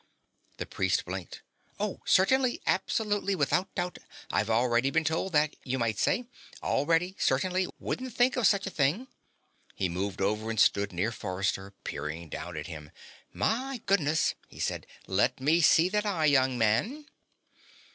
The priest blinked. "Oh, certainly. Absolutely. Without doubt. I've already been told that, you might say. Already. Certainly. Wouldn't think of such a thing." He moved over and stood near Forrester, peering down at him. "My goodness," he said. "Let me see that eye, young man."